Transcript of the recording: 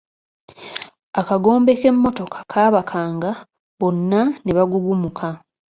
Akagombe k'emmotoka kaabakanga bonna ne bagugumuka.